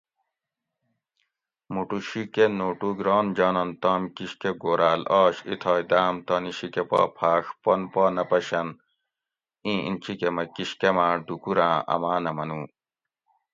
موٹو شیکہ نوٹُوگ ران جانن تام کِشکہ گوراۤل آش اِیتھائے داۤم تانی شیکہ پا پھاۤڛ پن پا نہ پشن اِیں اینچیکہ مہ کِشکماۤ ڈُوکوراۤں امانہ منو